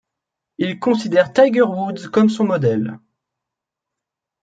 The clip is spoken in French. Il considère Tiger Woods comme son modèle.